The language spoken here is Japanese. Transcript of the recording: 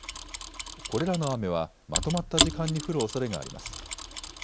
これらの雨はまとまった時間に降るおそれがあります。